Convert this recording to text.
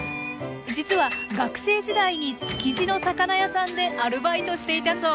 実は学生時代に築地の魚屋さんでアルバイトしていたそう。